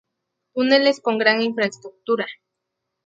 Túneles con gran infraestructura.